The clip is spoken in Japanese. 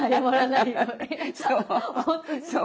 そう。